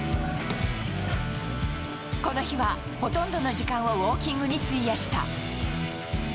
この日は、ほとんどの時間をウォーキングに費やした。